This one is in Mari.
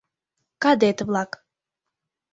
Кадет-влак